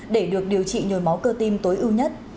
để được điều trị nhồi máu cơ tim tối ưu nhất